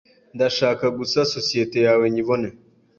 Ndashaka gusa sosiyete yawe nyibone